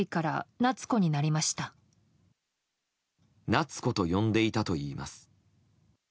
ナツコと呼んでいたといいます。